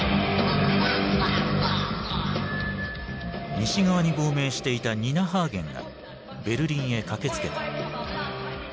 西側に亡命していたニナ・ハーゲンがベルリンへ駆けつけた。